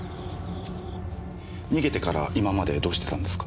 逃げてから今までどうしてたんですか？